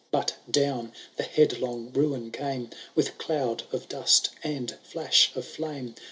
But down the headlong ruin came. With doud of dust and flash of flame.